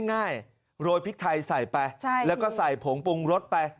ง่ายโรยพริกไทยใส่ไปแล้วก็ใส่ผงปรุงรสไป